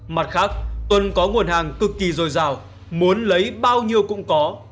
mặt khác tuân có nguồn hàng cực kỳ dồi dào muốn lấy bao nhiêu cũng có